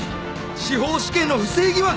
「司法試験の不正疑惑！